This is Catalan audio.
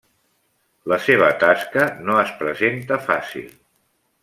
La seva tasca no es presenta fàcil.